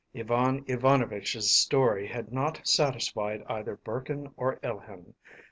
Ivan Ivanovitch’s story had not satisfied either Burkin or Alehin.